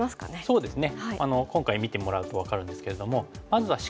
そうですね。